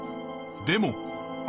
でも。